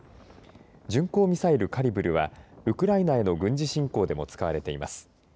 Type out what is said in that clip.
巡航ミサイルカリブルはウクライナへの軍事侵攻でも使われています。